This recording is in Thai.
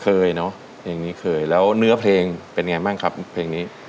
เคยเนอะเพลงนี้เคยแล้วเนื้อเพลงเป็นไงบ้างครับเพลงนี้